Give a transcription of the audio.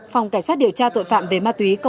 phòng cảnh sát điều tra tội phạm về ma túy tổng hợp